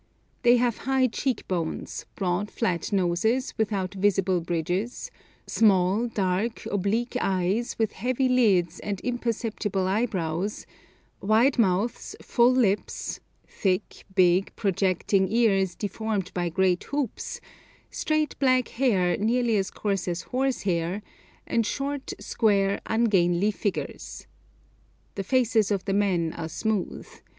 They have high cheekbones, broad flat noses without visible bridges, small, dark, oblique eyes, with heavy lids and imperceptible eyebrows, wide mouths, full lips, thick, big, projecting ears, deformed by great hoops, straight black hair nearly as coarse as horsehair, and short, square, ungainly figures. The faces of the men are smooth.